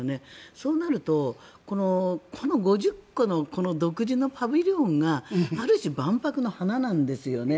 そうなるとこの５０個の独自のパビリオンがある種、万博の華なんですよね。